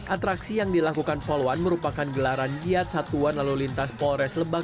atraksi yang dilakukan poluan merupakan gelaran giat satuan lalu lintas polres lebak